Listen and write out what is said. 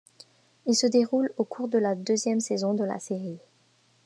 Il se déroule au cours de la deuxième saison de la série.